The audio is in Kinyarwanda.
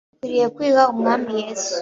Dukwiriye kwiha Umwami Yesu